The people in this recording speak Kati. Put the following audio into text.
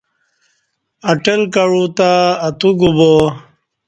اٹل کعو تہ اتو گوبا